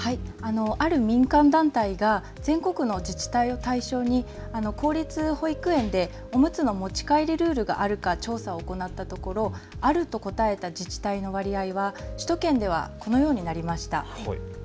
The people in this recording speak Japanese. ある民間団体が全国の自治体を対象に公立保育園でおむつの持ち帰りルールがあるか調査を行ったところ、あると答えた自治体の割合は首都圏ではこのようになりました。